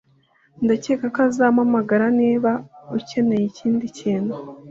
Ndakeka ko uzampamagara niba ukeneye ikindi kintu